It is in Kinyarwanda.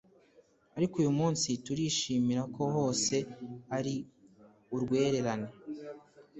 ariko uyu munsi turishimira ko hose ari urwererane